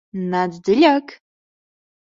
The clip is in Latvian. Nāc dziļāk!